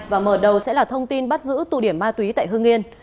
và mở đầu sẽ là thông tin bắt giữ tù điểm ma túy tại hương yên